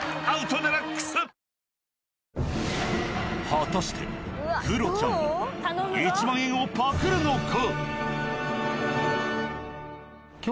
果たしてクロちゃんは１万円をパクるのか？